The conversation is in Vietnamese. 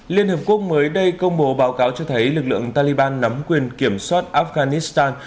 liên hợp quốc mới đây công bố báo cáo cho thấy lực lượng taliban nắm quyền kiểm soát afghanistan